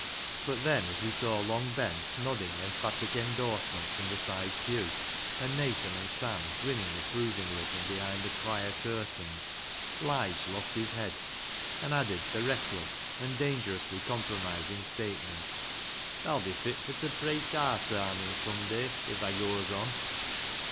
But, then, as he saw Long Ben nodding emphatic endorsement from the side pew, and Nathan and Sam grinning approvingly from behind the choir curtains, Lige lost his head and added the reckless and dangerously com promising statement —" Tha'll be fit fur t' preich aar Sarmons some day if tha goes on."